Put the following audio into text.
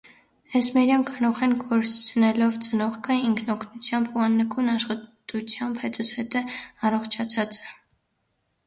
Էսմէրեան կանուխէն կորսնցնելով ծնողքը ինքնօգնութեամբ ու աննկուն աշխատութեամբ հետզհետէ յառաջացած է։